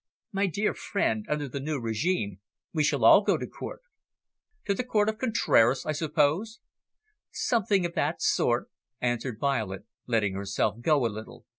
"My dear friend, under the new regime, we shall all go to Court." "To the Court of Contraras, I suppose?" "Something of that sort," answered Violet, letting herself go a little.